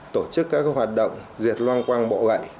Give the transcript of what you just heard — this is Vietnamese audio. tổ chức các hoạt động diệt loang quang bọ gậy